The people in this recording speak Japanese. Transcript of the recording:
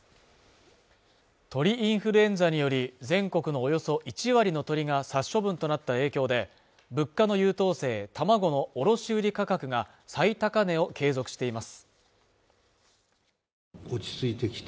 鳥インフルエンザにより全国のおよそ１割の鶏が殺処分となった影響で物価の優等生たまごの卸売価格が最高値を継続しています